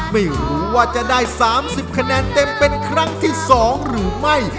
ไม่รู้ว่าจะได้๓๐คะแนนเต็มเป็นครั้งที่๒หรือไม่